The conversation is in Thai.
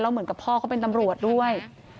เหมือนกับพ่อเขาเป็นตำรวจด้วย